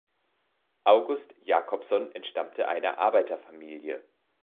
August Jakobson entstammte einer Arbeiterfamilie.